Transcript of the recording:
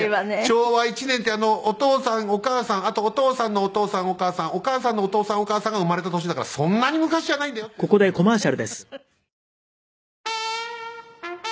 「昭和１年ってお父さんお母さんあとお父さんのお父さんお母さんお母さんのお父さんお母さんが生まれた年だからそんなに昔じゃないんだよ」ってその時は説明したんですけど。